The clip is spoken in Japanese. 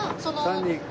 ３人。